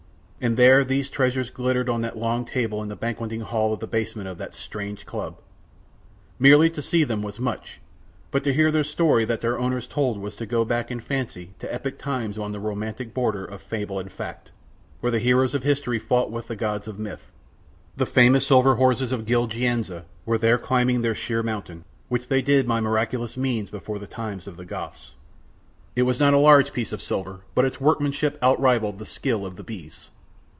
And there these treasures glittered on that long table in the banqueting hall of the basement of that strange club. Merely to see them was much, but to hear their story that their owners told was to go back in fancy to epic times on the romantic border of fable and fact, where the heroes of history fought with the gods of myth. The famous silver horses of Gilgianza were there climbing their sheer mountain, which they did by miraculous means before the time of the Goths. It was not a large piece of silver but its workmanship outrivalled the skill of the bees.